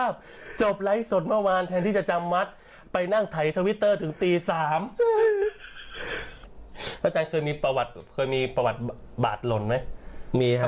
พระจังเคยมีประวัติบาตรหล่นไหม